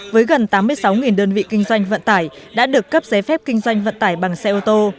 với gần tám mươi sáu đơn vị kinh doanh vận tải đã được cấp giấy phép kinh doanh vận tải bằng xe ô tô